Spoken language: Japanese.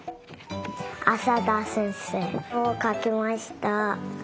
浅田先生をかきました。